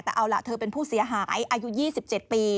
แต่เอาล่ะเธอเป็นผู้เสียหายอายุ๒๗ปี